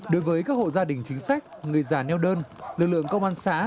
đối với các hộ gia đình chính sách người già neo đơn lực lượng công an xã